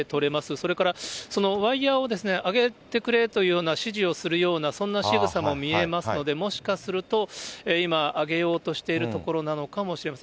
それからそのワイヤーを上げてくれというような指示をするような、そんな仕草も見えますので、もしかすると、今、上げようとしているところなのかもしれません。